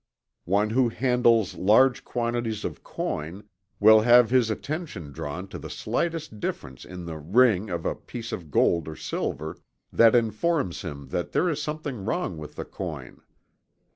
One who handles large quantities of coin will have his attention drawn to the slightest difference in the "ring" of a piece of gold or silver, that informs him that there is something wrong with the coin.